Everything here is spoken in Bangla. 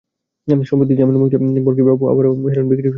সম্প্রতি জামিনে মুক্ত হয়ে বরকি বাবু আবারও হেরোইন বিক্রি শুরু করেন।